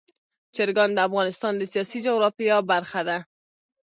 چرګان د افغانستان د سیاسي جغرافیه برخه ده.